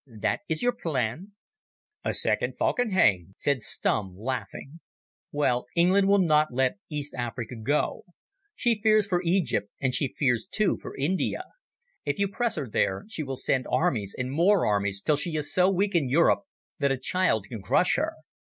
That is your plan?" "A second Falkenhayn," said Stumm, laughing. "Well, England will not let East Africa go. She fears for Egypt and she fears, too, for India. If you press her there she will send armies and more armies till she is so weak in Europe that a child can crush her.